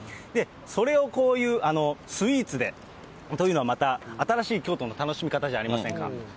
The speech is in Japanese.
それをこういうスイーツでというのはまた、新しい京都の楽しみ方じゃありませんか。